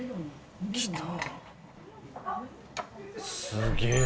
すげえ。